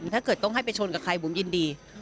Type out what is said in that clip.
ถ้าเกิดต้องให้ไปชนกับใครบุ๋มยินดี